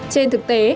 trên thực tế